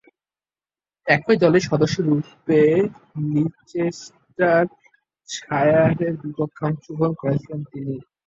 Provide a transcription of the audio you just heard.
একই দলের সদস্যরূপে লিচেস্টারশায়ারের বিপক্ষে অংশগ্রহণ করেছিলেন তিনি।